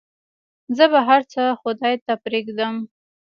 زه به هرڅه خداى ته پرېږدم.